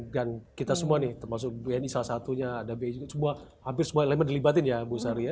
dan kita semua nih termasuk bni salah satunya ada bij hampir semua elemen yang dilibatkan ya bu sari ya